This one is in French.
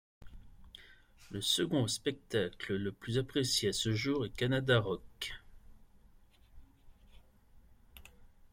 Le second spectacle le plus apprécié à ce jour est Canada Rocks.